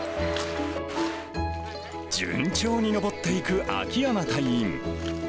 順調に登っていく秋山隊員。